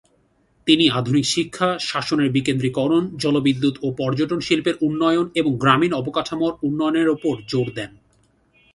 তিনি আধুনিক শিক্ষা, শাসনের বিকেন্দ্রীকরণ, জলবিদ্যুৎ ও পর্যটন শিল্পের উন্নয়ন এবং গ্রামীণ অবকাঠামোর উন্নয়নের ওপর জোর দেন।